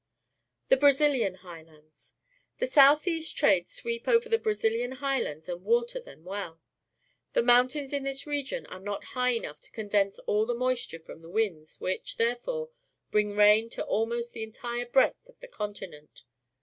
The Brazilian Highlands. — The south east trades sweep over the Brazilian Highlands and water them well. The mountains in this region are not high enough to condense all the moisture from the winds, which, there fore, bring rain to almost the entire breadth of the continent.